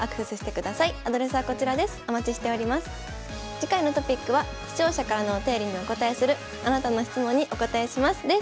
次回のトピックは視聴者からのお便りにお答えする「あなたの質問にお答えします」です。